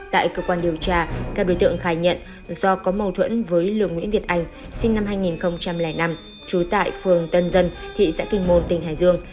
tại cơ quan điều tra các đối tượng khai nhận do có mâu thuẫn với lường nguyễn việt anh sinh năm hai nghìn năm trú tại phường tân dân thị xã kinh môn tỉnh hải dương